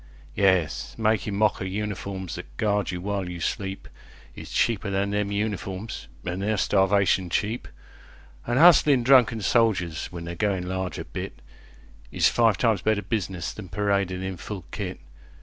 Yes, makin' mock o' uniforms that guard you while you sleepIs cheaper than them uniforms, an' they're starvation cheap; An' hustlin' drunken soldiers when they're goin' large a bitIs five times better business than paradin' in full kit.